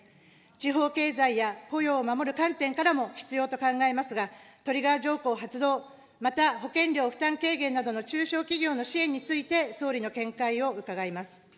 地方経済や雇用を守る観点からも必要と考えますが、トリガー条項発動、また保険料負担軽減などの中小企業の支援について総理の見解を伺います。